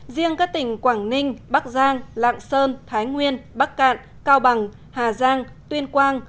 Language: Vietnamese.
riêng các tỉnh quảng ninh bắc giang lạng sơn thái nguyên bắc cạn cao bằng hà giang tuyên quang